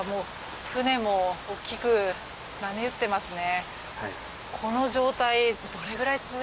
船も大きく波打っていますね。